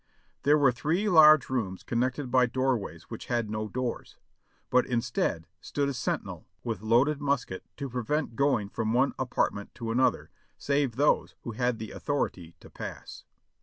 There were three large rooms connected by doorways which had no doors, but instead stood a sentinel with loaded musket to prevent going from one apartment to another, save those who had the authority to pass.